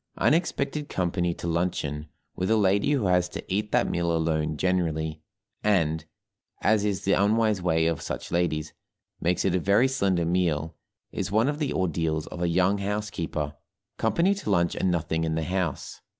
Unexpected company to luncheon with a lady who has to eat that meal alone generally, and (as is the unwise way of such ladies) makes it a very slender meal, is one of the ordeals of a young housekeeper; company to lunch and nothing in the house.